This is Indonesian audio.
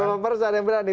belum apa apa saya berani